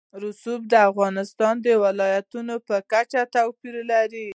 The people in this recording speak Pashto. رسوب د افغانستان د ولایاتو په کچه توپیر لري.